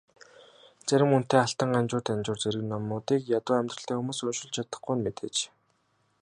Зарим үнэтэй Алтан Ганжуур, Данжуур зэрэг номуудыг ядуу амьдралтай хүмүүс уншуулж чадахгүй нь мэдээж.